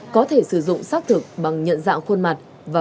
có thể sử dụng xác thực bằng nhận dạng khuôn mặt